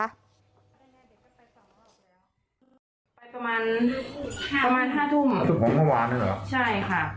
ไปประมาณห้าประมาณห้าทุ่มสุดของเมื่อวานเลยเหรอใช่ค่ะ